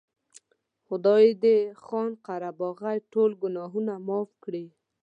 خدای دې خان قره باغي ټول ګناهونه معاف کړي.